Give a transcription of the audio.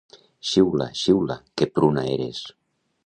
Xiula, xiula, que pruna eres.